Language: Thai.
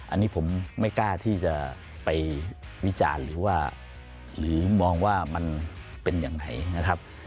อันนี้ผมไม่กล้าที่จะไปวิจารณ์หรือว่าหรือมองว่ามันเป็นยังไงนะครับ